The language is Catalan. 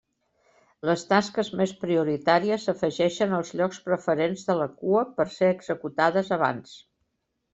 Les tasques més prioritàries s'afegeixen als llocs preferents de la cua per ser executades abans.